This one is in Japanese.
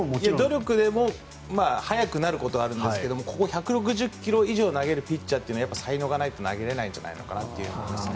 努力でも速くなることはあるんですがここ、１６０ｋｍ以上投げるピッチャーというのは才能がないと投げれないんじゃないかなと思いますね。